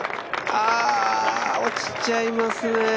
あ、落ちちゃいますね。